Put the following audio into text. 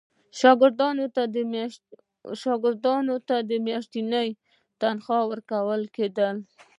شاګردانو ته میاشتنی تنخوا ورکول کېدله.